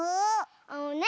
あのね